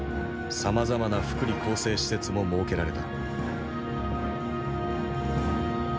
さまざまな福利厚生施設も設けられた。